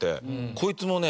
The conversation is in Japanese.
こいつもね